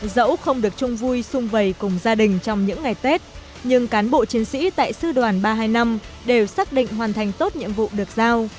dẫu không được chung vui xung vầy cùng gia đình trong những ngày tết nhưng cán bộ chiến sĩ tại sư đoàn ba trăm hai mươi năm đều xác định hoàn thành tốt nhiệm vụ được giao